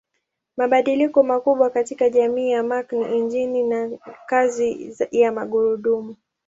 Mabadiliko makubwa katika jamii ya Mark ni injini na kazi ya magurudumu.